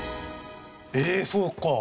えーそうか。